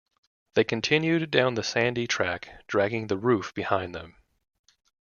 They continued down the sandy track dragging the roof behind them.